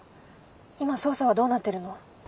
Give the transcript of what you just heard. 今捜査はどうなってるの？